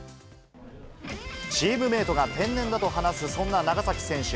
チームメートが天然だと話すそんな長崎選手。